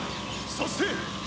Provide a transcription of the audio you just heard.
そして。